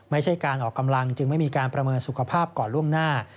ไม่ใช่การออกกำลังจึงไม่มีการประเมินสุขภาพก่อนล่วงหน้า